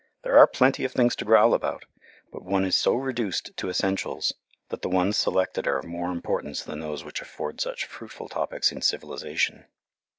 There are plenty of things to growl about, but one is so reduced to essentials that the ones selected are of more importance than those which afford such fruitful topics in civilization.